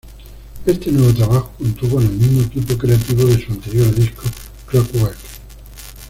Este nuevo trabajo contó con el mismo equipo creativo de su anterior disco, "Clockwork".